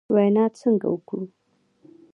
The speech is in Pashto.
وینا څنګه وکړو ؟